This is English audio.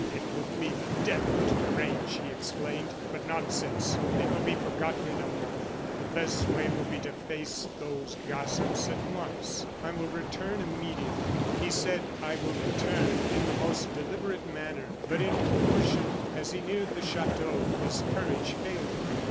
"It will be the devil to arrange!" he explained; "but nonsense! it will be forgotten in a month. The best way will be to face those gossips at once: I will return immediately." He said: "I will return," in the most deliberate manner; but in proportion as he neared the chateau, his courage failed him.